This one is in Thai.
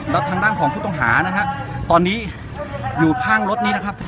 แล้วทางด้านของผู้ต้องหานะฮะตอนนี้อยู่ข้างรถนี้นะครับ